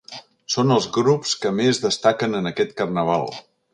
Són els grups que més destaquen en aquest Carnaval.